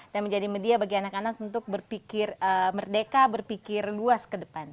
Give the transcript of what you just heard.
dan menjadi media bagi anak anak untuk berpikir merdeka berpikir luas ke depan